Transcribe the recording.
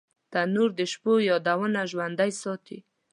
تنور د شپو یادونه ژوندۍ ساتي